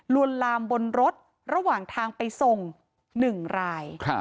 วนลามบนรถระหว่างทางไปส่ง๑ราย